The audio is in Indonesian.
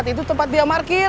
itu tempat dia markir